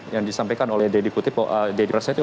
yang disampaikan oleh deddy prasetyo